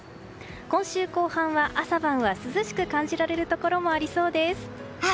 今週後半は、朝晩は涼しく感じられるところもありそうです。